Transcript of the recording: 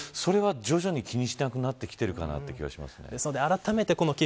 それは徐々に気にしなくなってきている気がします。